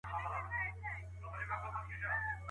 د نوټونو تبادله د زده کوونکو پوهه شریکوي.